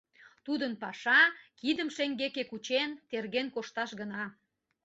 Тудын паша: кидым шеҥгеке кучен, терген кошташ гына.